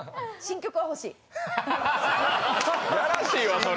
やらしいわ、それ！